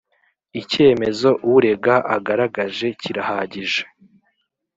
icyemezo urega agaragaje kirahagije